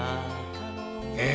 え？